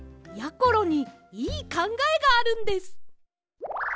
ころにいいかんがえがあるんです。